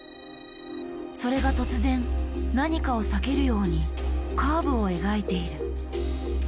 それが突然何かを避けるようにカーブを描いている。